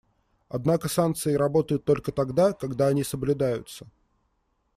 Однако санкции работают только тогда, когда они соблюдаются.